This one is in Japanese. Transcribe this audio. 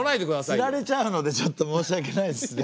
つられちゃうのでちょっと申し訳ないですね。